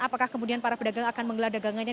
apakah kemudian para pedagang akan menggelar dagangannya